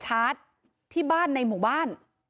ชาวบ้านในพื้นที่บอกว่าปกติผู้ตายเขาก็อยู่กับสามีแล้วก็ลูกสองคนนะฮะ